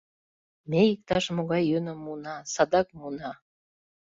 — Ме иктаж-могай йӧным муына, садак муына.